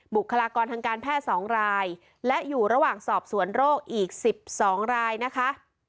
บุคลากรทางการแพทย์๒รายและอยู่ระหว่างสอบสวนโรคอีก๑๒รายนะคะ